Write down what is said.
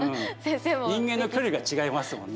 人間の距離が違いますもんね。